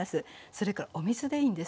それからお水でいいんです。